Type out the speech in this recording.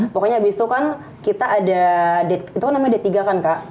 pokoknya abis itu kan kita ada itu kan namanya d tiga kan kak